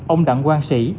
ông đặng quang sĩ